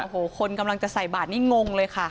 โอ้โหคนกำลังจะใส่บาทนี่งงเลยค่ะ